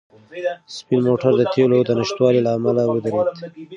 سپین موټر د تېلو د نشتوالي له امله ودرېد.